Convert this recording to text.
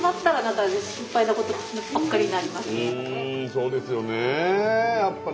そうですよねやっぱね。